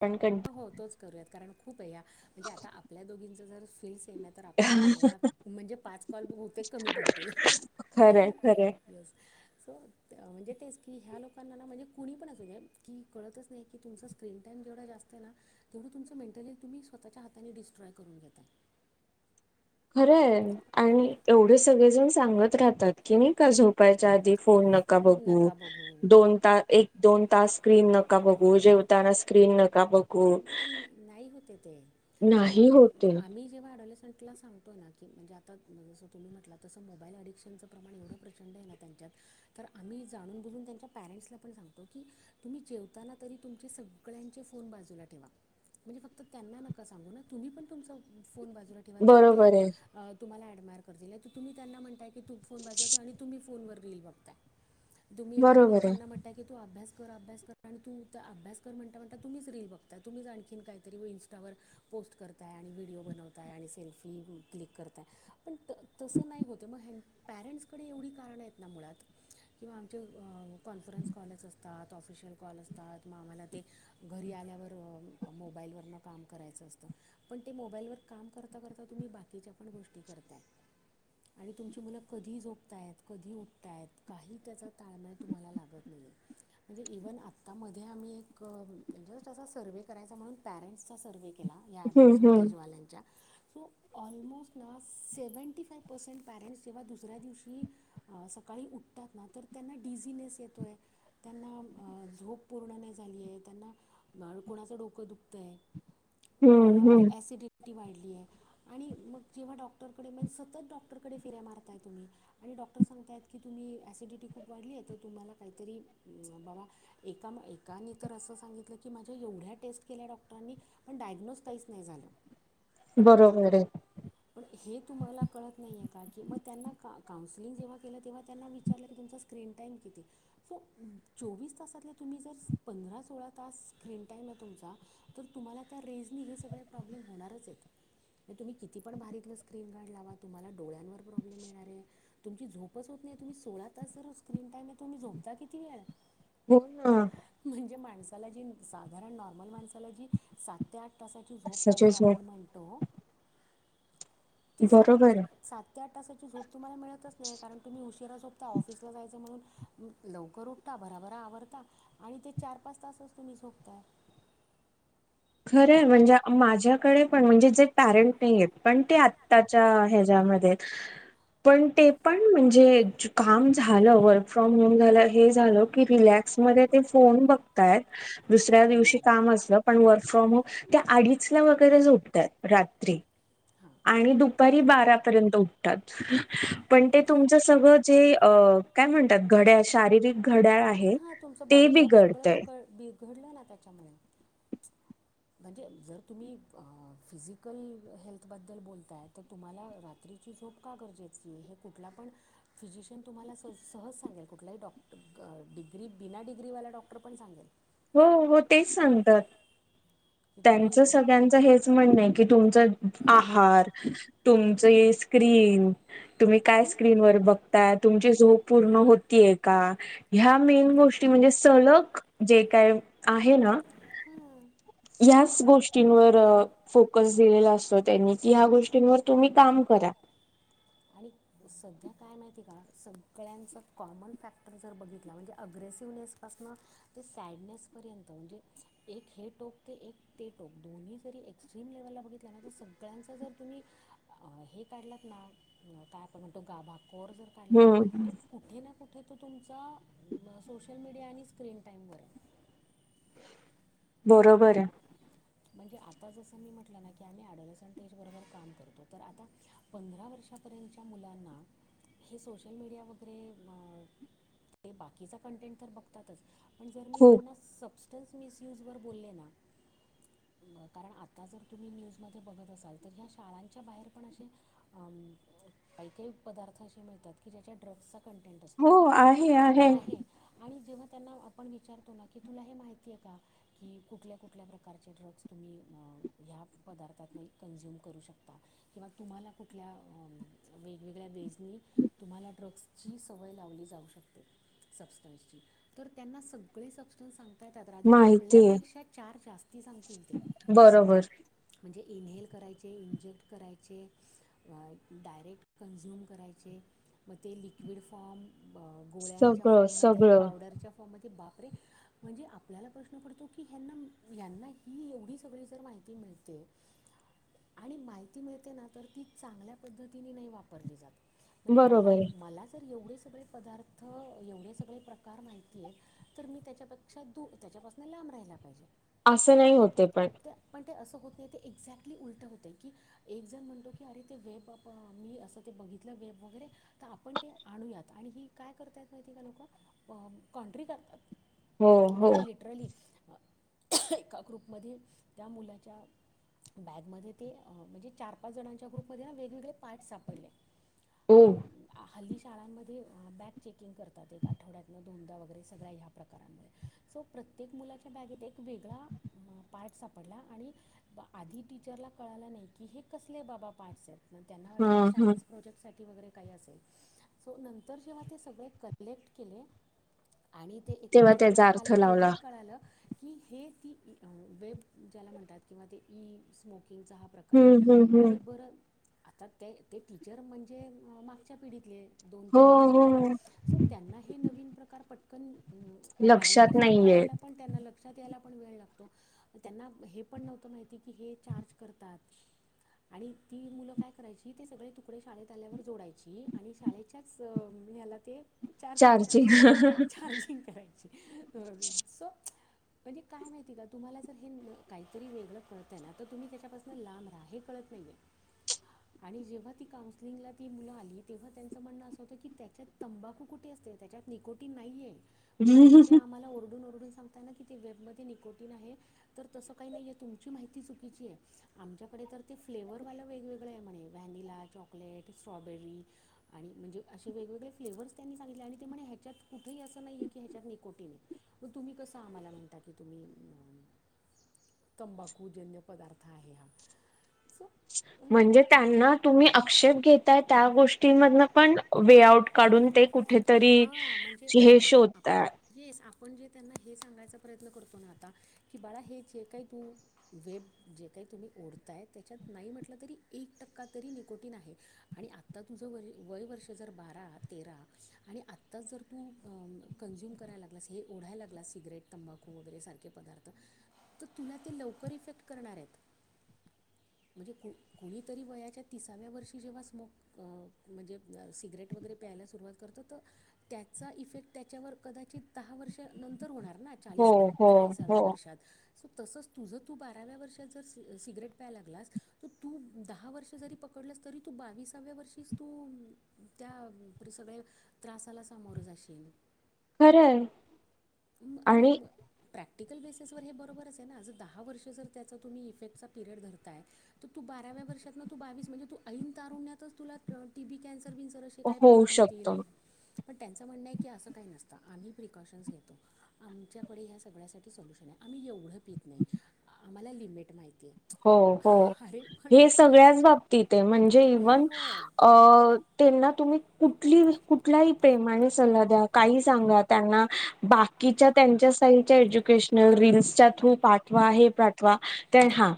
पण कं हो तोच करूयात कारण खूप आहे या म्हणजे आता आपल्या दोघींच जर फील सेम आहे तर आपल्याला बोयला म्हणजे पाच कॉल होते कमी पडतील खरं खरं होते म्हणजे तेच की ह्या लोकांना म्हणजे कुणी पण असू की कळतच नाही की तुमचा स्क्रीन टाइम जेवढा जास्त ते तुमचं मेंटली तम्ही स्वतःच्या हाताने िस्ट्रॉय करून घेतात खरं आहे आणि एवढे सगळेजण सांगत राहतात की नाही का झोपायच्या आधी फोन नका बघू नका बघू दोन त एक दोन तास स्क्रीन नका बघू जेवताना स्क्रीन नका बघू पण नाही होते ते म्हणजे नाही होते आम्ही जेव्हा वाढवले टला सांगतो ना कीणे आता जसं तुम्ही म्हटला तसं मोबाईल अडिक्शनचं प्रमाण एवढं प्रचंड आहे ना त्यां तर आम्ही जाणून बुजून त्यांच्या पॅरेंट्सला पण सांगतो की तुम्ही जेवताना तरी तुमचे स सगळ्यांचे फोन बाजूला ठेवा म्हणजे फक्त त्यांना नका सांगू ना तुम्ही पण तुमचं ोन बाजूला ठेवा तर ते बरोबर आहे तुमला ऍडयर कर तुम्ही त्यांना म्हण की तू फोन बाजव आणि तुम्ही फोनवर रील बघताय तुम्ही एकीकडे बरोबर आहे त्यांना म्हणताय की तू अभ्यास अभ्यास कर आणि तू त्या अभ्यास कर म्हण म्हणट तु्हीच रीलल बघ तुम्ही जा आणखीन काहीतरी इं्स्टावर पोस्ट करताय आणि व्हिडिओ बनवताय आणि सेल्फी क्लिक करता पण तस नाही होत मग परेंटकडे एवढी कारणं आहेत ना मुळात किंवा आमचे कॉन्फरन्स कॉलच असतात ऑफिशियल कॉल असतात मग आम्हाला ते घरी आल्यावर तर आम मोबाईलवरन काम करायचं असतं पण ते मोबाईलवर काम करता करता तुम्ही बाकीच्या पण गोष्टी करताय ह आणि तुमची मुलं कधी झोपतायत कधी उठतायत काही त्याचा ताळमेळ तुम्हाला लागत नाही म्हणजे इव्हन आतामध्ये आम्ही एक जस्ट अस सर्व्वे करायचा म्हणून पॅरेंट्सचा सर्व् केला या हम्म डलसन हम्म तेजवाल्यांच्या सो ऑलमोस्ट ना सेव्हनटी फायव पर्सेंट पॅरेंट्स जेव्हा दुसऱ्या दिवशी सकाळी उठत ना तर त्यांना डिझिनेस येतोय त्यांना झोप पूर्ण नाही झाली आहे त्यांना बा कोणाचं डोकं दुखतं आहे कुणाला हम्म हम्म ॲसिडि वाढली आहे आणि मग जेव्हा डॉक्टरकडे म्हणजे सत डॉक्टरकडे फेऱ्या मारताय तुम्ही आणि डॉ डॉक्टर सांगतयत की तुम्ही ॲसिडिटी खूप वाढली आहे तर तुम्हाला काहीतरी बाबा एकाम का तर असं सांगितलं की माझ्या एवढ्या टेस्ट केल्या डॉक्टरांनी पण डायग्नोस्तााईस नाही झालं बरोबर आहे पण हे तुम्हाला कळत नाहीय का की मग त्यांना का काउन्सलिंग जेव्हा केलं तेव्हा त्यांना विचारलं की तुमचा स्क्रीन टाईम किती सो चोवीस तासातलं तुम्ही जर पंधरा सोळा तास स्क्रीन टाईम आहे तुमचा तर तुम्हाला त्या रेजनी हे सगळे प्रॉब्लेम होणारच आहेत तुम्ही किती पण भारीितलं स्क्रीन गार्ड लावा तुम्हाला डोळ्यांवर प्रॉब्लेम येणार आहे तुमची झोपच तुमही सोळा तास ज स्क्रीन टाईम आहे तुम्ही झोपता किती वेळ हो ना माणला जी साधारण नॉर्मल माणसाला जी सात ते आठ तासाची झोप सचे पाहिजे झोप आपण म्हणतो ती स बरोबर आहे. सात ते आठ तासाची झोप तुम्हाला मिळतच नाही कारण तुम्ही उशीरा झोपता ऑफिसला जायचं म्हणून लवकर उठता बराभरा आवरता आणि ते चार पाच तास अस तुम्ही झोपताय खरं म्हणजे माझ्याकडे पण म्हणजे जे पॅरेंट नाही आहेत पण ते आत्ताच्या ह्याच्या मध्ये पण ते पण म्हणजे काम झालं वर्क फ्रॉम होम झालं हे झालं की रिॅक्स ते फोन बघतायत दुसऱ्या दिवशी हम्म. कामं असत पण फ्रॉम होम त्या अडीच ला वगैरे झोपतात रात्री हां आणि दुपारी बारापर्यंत उठतात पण ते तुमच सगळं जे काय म्हणतात घड्याळ शारीरिक घड्याळ आहे तुमच ते बॉडी क्लॉक सगळं बिघडतय बड बिघडलं ना त्याच्यामुळे म्हणजे जर तुम्ही फिजिकल हेल्थबद्दल बोलताय तर तुम्हाला रात्रीची प का गरजे कुठला पण फिजिशियन तुम्हाला स सहज सांगेल कुठही डॉक्ड बिना डिग्रीवाला डॉक्टर पण सांगेल हो हो तेच सांगतात की तुम्ही त्यांचं सगळ्यांचं हेच म्हणणं आहे की तुमचं आहार तुमच स्क्रीन तुम्ही काय स्क्रीन वर बघ तुमची झोप पूर्ण होती का ह्या मेन गोष्ट म्हणजे सलग जे काय आहे ना हम् ह गोष्टीवर फोकस दिले असत त्यांनी क ह गोष्टींवर तुम्ही काम करा आणि सध्या काय माहिती आहे का सगळ्यांचा कॉमन फॅक्टर जर बघितला म्हणजे अग्रेस सीवनेसपासन ते सॅडनेसपर्यंत म्हणजे एक हे टोक ते एक ते टोक. दोन्ही जरी एक्स्ट्रीम लेवलला बघितलं ना तर सगळ्यांच जर तुम्ही हे काढलात ना काय आपण म्हणतो गाभा कोर जर काढला ना हम्म तो कुठे ना कुठे तो तुमचा सोशल मीडिया आणि स्क्रीन टाइमवर बरोबर आहे. म्हणजे आता जसं मी म्हटलं ना की आम्ही अडवसंटेज बरोबर काम करतो तर आता पंधरा वर्ष पर्यंतच्या मुलांना हे सोशल मीडिया वगैरे ते बाकीचा कंटेंट तर बघतातच. पण जर मी खूप त्यांना सबस्टन्स मिसयूजवर बोलले ना कारण आता जर तुम्ही न्यूजमध्ये बघत असाल तर ह्या शाळांच्या बाहेर पण असे अ काही काही पदार्थ असे मिळतात की ज्याच्या ड्रग्सच कंटेंट असतो, हो आहे आहे. जेव्हा त्यांना आपण विचारतो ना की तुला हे माहिती आहे का? की कुठल्या कुठल्या प्रकारचे ड्रग् स् तुम्ही या पदार्थांतनी कंन्झुम करु शकता किंवा तुम्हाला कुठल्या वेगगळ्या वेज नी तुम्हाला ड्रग्सची सवय लावली जाऊ शकते. सबस्टन्सची तर त्यांना सगळे सबस्टन्स सांग ता येतात, रादर माहिती आहे आपल्यापेक्षा चार जास्ती सांगतील. ते बरोबर. म्हणजे इनहेल करायचे इंजेक्ट करायचे डायरेक्ट कन्झ्युम करायचे, मग ते लिक्विड फॉर्म, गोळ्यांच्या सगळं फॉर्म मध्ये, सगळं पावडरच्या फॉर्म मध्ये बा परे! म्हणजे आपल्याला प्रश्न पडतो की ह्यांना यांना ही एवढी सगळी जर माहिती मिळते आणि माहिती मिळते ना तर ती चांगल्या पद्धतीने नाही वापरली जात, म्हणजे बरोबर मला आहे मला जर एवढेच सगळे पदार्थ एवढे सगळे प्रकार माहिती आहेत तर मी त्याच्यापेक्षा दु त्याच्यापासंन लां ब राहिला पाहिजे. असं नाही होते पण ते पण ते असं होतं नाही ते एक्सॅटली उलटं होतय, की एकजण म्हणतो की अरे ते वेब बब मी अस ते बघ घितल वेब वगैरे तर आपण ते आणूयात, आणि ही काय करतायत माहीत काय लोकं कॉन्ट्री करतात. हो हो म्हणजे लिट्रली ग्रुपमध्ये त्या मुलाच्या बॅगमध्ये ते म्हणजे चार पाच जणांच्या ग्रुपमध्ये ना वेगवेगळे पार्ट सापडले. हो. अम, आ- हल्ली शाळांमध्ये बॅग चेकिंग करतात एक आठवड्यातनं दोनदा वगैरे सगळ्या ह्या प्रकारांमुळे सो प्रत्येक मुलाच्या बॅगेत एक वेगळा पार्ट सापडला आणि आधी टीचरला कळालं नाही की हे कसले बाबा पार्ट्स आहेत मग त्यांना हा वाटलं की हा सायन्स प्रोजेक्ट साठी वगैरे काही असेल, सो नंतर जेव्हा ते सगळे कलेक्ट केले आणि ते तेव्हा एकत्र त्याचा जेव्हा अर्थ आले तेव्हा लावला कळालं की हे ती ई अं वेब ज्याला म्हणतात किंवा ते ई स्मोकिंगचा हा प्रकार आहे, हम्म हम्म हम्म आणि बरं आता ते ते टीचर म्हणजे मागच्या पिढीतले दोन हो पिढ्या मागचे हो सो त्यांना हे नवीन प्रकार पटकन लक्षात आयडेंटिफाय नाहीये करायला पण त्यांना लक्षात यायला पण वेळ लाग तो त्यांना हे पण नव्हतं माहिती की हे चार्ज करतात. आणि ती मुलं काय करायची ते सगळे तुकडे शाळेत आल्यावर जोडायची आणि शाळेच्याच अं याला ते चार्ज चार्जिंग करायचे, चार्जिंग करायचे सो म्हणजे काय आहे माहिती का? तुम्हाला जर हे काहीतरी वेगळं कळतय आहे ना तर तुम्ही त्याच्यापासून लांब रहा हे कळत नाही आहे. आणि जेव्हा ती काउन्सलिंगला ती मुलं आली तेव्हा त्यांचं म्हणणं असं होतं की त्याच्यात तंबाखू कुठे अस त्याच्यात निकोटीन नाहीेये म्हणजे तुम्ही जे आम्हाला ओरडून ओरडून सांगताय ना की ते वेबमध्ये निकोट आहे तर तस काही नाही तुमची माहिती चुकीची आहे आमच्याकडे तर ते फ्लेवर्हरवाला वेगवेगळ आहे म्हणे व्हॅनिला चॉकलेट स्ट्रॉबेरी आणि म्हणजे असे वेगवेगळे फ्लेव्हर्स त्यांनी सगित आणि ते म्हणे ह्याच्यात कुठेही असं नाही आहे की ह्याच्यात निकोटीन आहे, मग तुम्ही कस आम्हाला म्हणता की तुम्ही तंबाखूजन्य पदार्थ आहे हा. सो म्हणजे त्यांना तुम्ही आक्षेप घेताय त्या गोष् ती मधणं पण वे आउट काढून ते कुठेतरी हां म्हणजे हे म्हणजे शोधतात. येस आपण जे त्यांना हे सांगायचा प्रयत्न करतो ना आता की बाळा हे जे काही तू वेब जे का तुम्ही ओढताय त्याच्यात नाही म्हटलं तरी एक टक्का तरी निकोटिन आहे आणि आता तुझ वय वयवर्ष जर बारा तेरा आणि आत्ताच जर तू अं कंझ्युम कराय लागलास हे ओढायला लागलास सिगरेट तंबाखू वगैरे सारखे पद पदार्थ तर तुला ते लवकर इफेक्ट करणार आहेत. म्हणजे कु कोणीतरी वयाच्या तिसाव्या वर्षी जेव्हा स्मोक अं म्हणजे अं सिगरेट वगैरे प्याय प्यायला सुरवात करतो तर त्याचा इफेक्ट त्याच्यावर कदाचित दहा वर्षानंतर होणार. होणार ना चाळीस हो वर हो चाळीसाव्या हो वर्षात तसच तुझं तू बाराव्या वर्षात जर सिगरेट प्यायला लागलास [inaudible] तर तू दहा वर्ष जरी प पाकडलस तरी तू बावीसाव्या वर्षी तू [inaudible] त्या सगळ्या त्रासाला सामोरं जाशील. [inaudible] [inaudible] खरं आहे. [inaudible] आणि, [inaudible] दिगल वेसेस हे बरोबरच आहे की अजून दहा वर्षे जरी त्याच तुम्ही इफेक्टचा पिरेड धरताय तर तू बाराव्या. या वर्षात ना तू बावीस म्हणजे तू आईनं तारुण्यात तुला ती बी कॅन्सर [unintelligible] असे काय होऊ प्रकार शकतो होतील. [inaudible] पण त्यांचं म्हणणं की असं काही नसत आम्ही प्रिकॉशन्स घेतो [inaudible] आमच्याकडे ह्या सगळ्यासाठी आम्ही एवढं पित नाही. [inaudible] आम्हाला लिमिट माहि [inaudible] हो हो [inaudible] हे सगळ्याच बाबतीत आहे म्हणजे हो इव्हन हो [inaudible] अ त्यांना तुम्ही. कुठली कुठलाही प्रेमाने सल्ला द्या काही सांगा त्यांना बाकीच्या त्यांच्या [unintelligible] एज्युकेशन रिलच्या थ्रू पाठवा हे पाठवा ते हा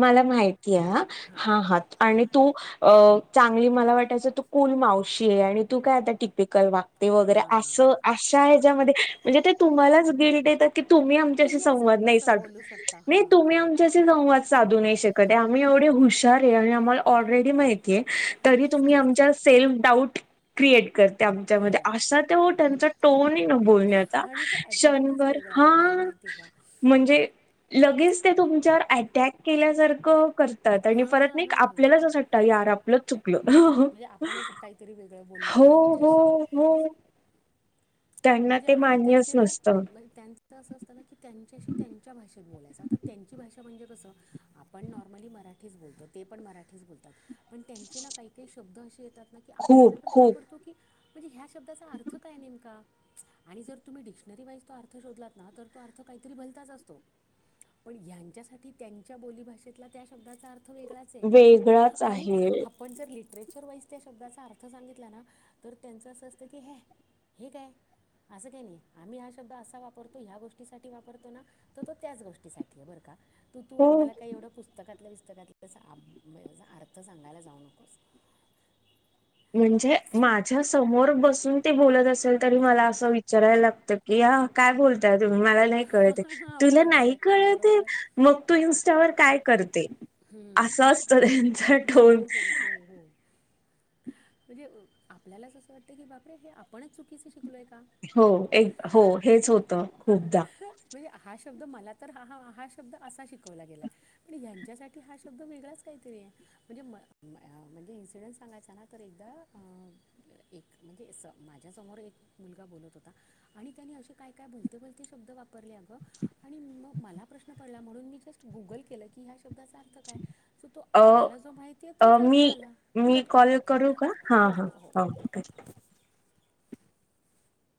मला माहिती आहे हां हा हा आणि तू अ चांगली मला वाटायचं तू कुल मावशी आहे आणि तू काय आता तािक टिपिकल वाद्य ते हां वगैरेअस अशा ह्याच्या मध्ये म्हणजे ते तुम्हालाच गिल्ट देतात की तुम्ही अम [unintelligible] असं संवाद नाही कसं साद बोलू शकता [inaudible] नि हां तुम्ही आमच्या संवा साधू नाही शकत आम्ही एवढे हुशार आहे आणि आम्हाला ऑलरेडी माहिती. [unintelligible] तरी तेच तुम्ही तेच आमच्या सेल्फ डाऊट [inaudible] क्रिएट करते आमच्यामध्ये असा ते त्यांचा टोनही न बोलण्याचा क्षणभर काय हा खरं माहिती का. म्हणजे [inaudible] लगेच ते तुमच्यावर अटॅक केल्यासारखं कर करतात नी हां परत हां नाही हां आपल्यालाच असं वाटत यार आपलंच चुकल. म्हणजे आपणच [unintelligible] [inaudible] काहीतरी वेगळं बोललो का हो हो ह्यांच्याशी हो. [inaudible] त्यांना म्हणजे ते आणि मान्यच त्यांचे ना नसतं पणं त्यांच असं असतं ना, की त्यांच्याशी त्यांच्या भाषेत बोलायचं आता त्यांची भाषा म्हणजे कसं? आपण नॉर्मली मराठीच बोलतो, ते पण मराठीच बोलतात पण त्यांचे ना काही काही शब्द असे येतात न की आपल्याला खूप प्रश्न खूप पडतो की, म्हणजे ह्या शब्दाचा अर्थ काय नेमका? आणि जर तुम्ही डिक्शनरी वाईज तो अर्थ शोधलात ना, तर तो अर्थ काहीतरी भलताच असतो. पण यांच्यासाठी त्यांच्या बोलीभाषेतला त्या शब्दाचा अ र्थ वेगळाच हाये वेगळाच आणि आहे आपण जर लि ट्रेचर वाईज त्या शब्दाचा अर्थ सांगितला ना, तर त्यांचं असं असतं की ह्या हे काय? आसं काही नाही, आम्ही हा शब्द असा वापरतो, ह्या गोष्टीसाठी वापरतो ना, तर तो त्याच गोष्टीसाठी बरं का? तू तू हो आम्हाला काय एवढं पुस्तकातला वि पुस्तकातला कसा आप म अर्थ सांगायला जाऊ नकोस. म्हणजे माझ्या समोर बसून ते बोलत असेल, तरी मला असं विचारायला लागतं की का काय बोल ताय तुम्ही मला नाही कळत ये, तुला नाही एक्झॅक्ट कळत ये, बरोबर मग तू इनस्टावर काय कर ते? हम्म. असं असतं त्यांचा हो टोन. हो हो हो म्हणजे अ आपल्यालाच असं वाटतं की, बापरे! हे आप हो एक हो हेच होतं खूपदा. म्हणजे हा शब्द मला तर हा हा हा शब्द असा शिकवला गेलाय, पण ह्यांच्यासाठी हा शब्द वेगळाच काहीतरी आहे. म्हणजे म म म्हणजे इन्सिडन्स सांगायचा ना तर एकदा अ एक म्हणजे असं माझ्यासमोर एक मुलगा बोलत होता आणि त्यां नी असे काय भलते भलते शब्द वापरले आग आणि मग मला प्रश्न पडला म्हणून मी जस्ट गुगल [unintelligible] लकी या शब्दाचा अर्थ काय असं तो अ आपल्याला जो माहिती अ तोच मी अर्थ आला [inaudible] मी कट कर कॉल कट कर करू का हा हो हा हो हो [inaudible] कट कर हो, [inaudible]